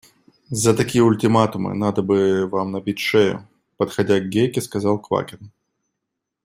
– За такие ультиматумы надо бы вам набить шею, – подходя к Гейке, сказал Квакин.